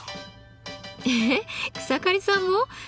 え草刈さんも？